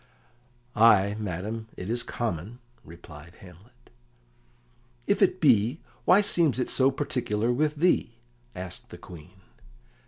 "Ay, madam, it is common," replied Hamlet. "If it be, why seems it so particular with thee?" asked the Queen.